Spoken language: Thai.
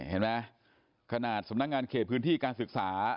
เห็นไหมขนาดสำนักงานเขตพื้นที่การศึกษา